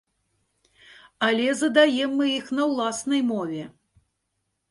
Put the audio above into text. Але задаем мы іх на ўласнай мове.